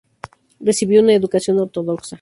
Recibió una educación ortodoxa.